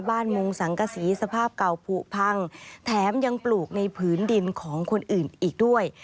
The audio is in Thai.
มุงสังกษีสภาพเก่าผูพังแถมยังปลูกในผืนดินของคนอื่นอีกด้วย